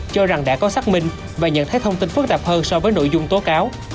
cho rằng đã có xác minh và nhận thấy thông tin phức tạp hơn so với nội dung tố cáo